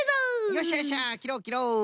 よっしゃよっしゃきろうきろう！